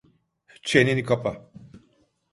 Çeneni kapa!